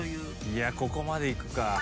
いやここまでいくか。